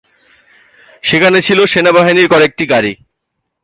সেখানে ছিল সেনাবাহিনীর কয়েকটি গাড়ি।